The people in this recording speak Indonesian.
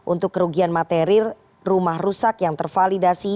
untuk kerugian materi rumah rusak yang tervalidasi